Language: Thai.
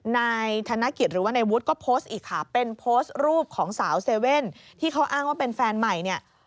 นายธนกิจหรือว่านายวุฒิก็โพสต์อีกค่ะเป็นโพสต์รูปของสาวเซเว่นที่เขาอ้างว่าเป็นแฟนใหม่เนี่ย